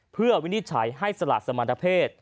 เพื่อวินิจฉัยให้สละสมรรถเพศ